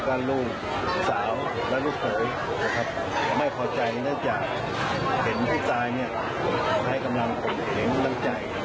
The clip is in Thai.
ใช้กำลังกลุ่มเห็นตั้งใจนะครับอย่าต้องแรง